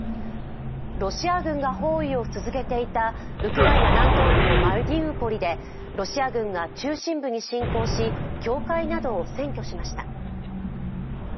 ロシア軍が包囲を続けていたウクライナ南東部のマリウポリでロシア軍が中心部に侵攻し、教会などを占拠しました。